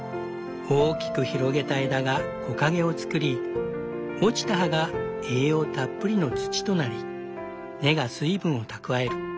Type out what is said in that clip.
大きく広げた枝が木陰をつくり落ちた葉が栄養たっぷりの土となり根が水分を蓄える。